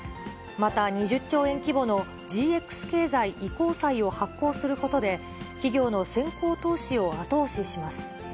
また、２０兆円規模のＧＸ経済移行債を発行することで、企業の先行投資を後押しします。